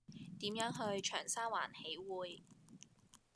點樣去長沙灣喜薈